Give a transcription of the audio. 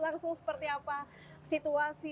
langsung seperti apa situasi